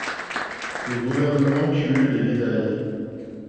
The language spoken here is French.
Le Gouvernement cumule les médailles